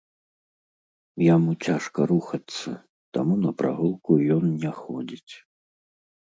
Яму цяжка рухацца, таму на прагулку ён не ходзіць.